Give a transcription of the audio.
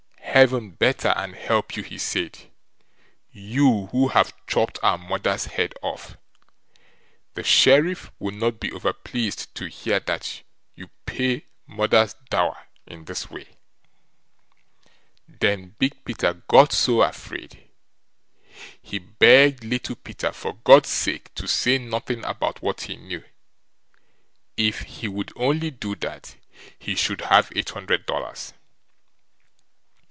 "Heaven better and help you", he said; "you who have chopped our mother's head off. The Sheriff will not be over pleased to hear that you pay mother's dower in this way." Then Big Peter got so afraid, he begged Little Peter, for God's sake, to say nothing about what he knew. If he would only do that, he should have eight hundred dollars.